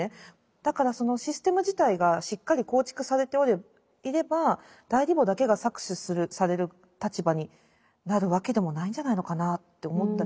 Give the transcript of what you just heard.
だからそのシステム自体がしっかり構築されていれば代理母だけが搾取される立場になるわけでもないんじゃないのかなって思ったり。